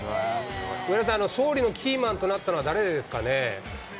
上田さん、勝利のキーマンとなったのは誰ですかね。